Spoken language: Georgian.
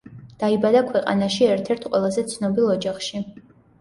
დაიბადა ქვეყანაში ერთ-ერთ ყველაზე ცნობილ ოჯახში.